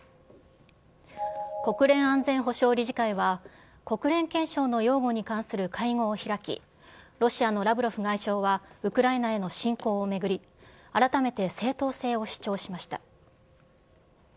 国連安全保障理事会は、国連憲章の擁護に関する会合を開き、ロシアのラブロフ外相は、ウクライナへの侵攻を巡り、改めて正当性を主張しました。